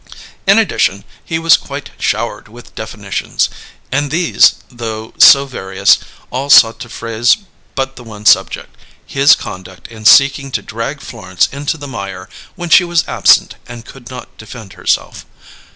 In addition, he was quite showered with definitions; and these, though so various, all sought to phrase but the one subject: his conduct in seeking to drag Florence into the mire, when she was absent and could not defend herself.